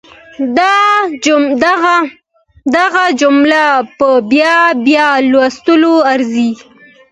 دغه جمله په بيا بيا لوستلو ارزي.